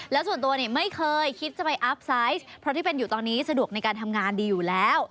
แล้วส่วนตัวเนี่ยไม่เคยคิดจะไปอัพไซส์เพราะที่เป็นอยู่ตอนนี้สะดวกในการทำงานดีอยู่แล้ว